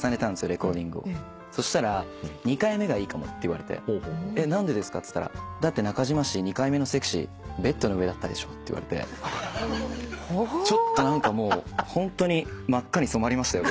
レコーディングをそしたら「２回目がいいかも」って言われて何でですかっつったら「だって中島氏２回目のｓｅｘｙベッドの上だったでしょう」って言われてちょっと何かもうホントに真っ赤に染まりましたよ